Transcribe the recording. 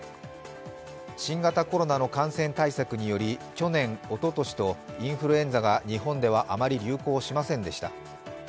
新型コロナの感染対策により、去年おととしとインフルエンザが日本ではあまり流行しませんでした。